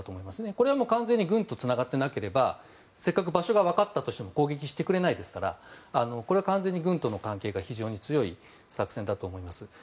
これは完全に軍とつながっていなければせっかく場所がわかったとしても攻撃してくれないですからこれは完全に軍との関係が非常に強い作戦だと思います。